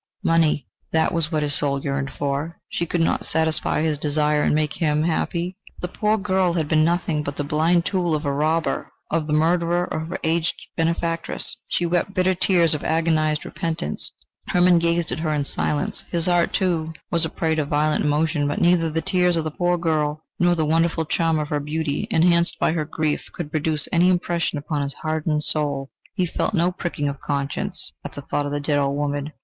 Money that was what his soul yearned for! She could not satisfy his desire and make him happy! The poor girl had been nothing but the blind tool of a robber, of the murderer of her aged benefactress!... She wept bitter tears of agonised repentance. Hermann gazed at her in silence: his heart, too, was a prey to violent emotion, but neither the tears of the poor girl, nor the wonderful charm of her beauty, enhanced by her grief, could produce any impression upon his hardened soul. He felt no pricking of conscience at the thought of the dead old woman.